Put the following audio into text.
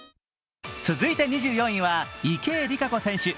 続いて２４位は池江璃花子選手。